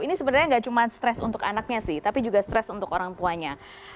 ini sebenarnya nggak cuma stres untuk anaknya sih tapi juga stres untuk orang tuanya